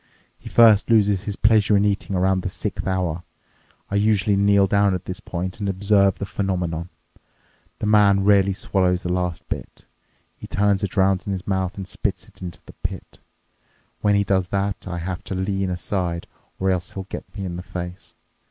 He first loses his pleasure in eating around the sixth hour. I usually kneel down at this point and observe the phenomenon. The man rarely swallows the last bit. He turns it around in his mouth and spits it into the pit. When he does that, I have to lean aside or else he'll get me in the face.